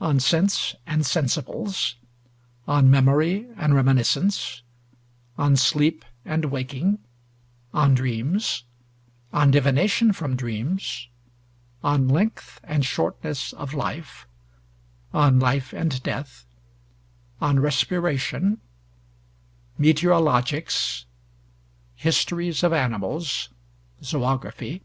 'On Sense and Sensibles,' 'On Memory and Reminiscence,' 'On Sleep and Waking,' 'On Dreams,' 'On Divination from Dreams,' 'On Length and Shortness of Life,' 'On Life and Death,' 'On Respiration,' 'Meteorologics,' 'Histories of Animals' (Zoögraphy).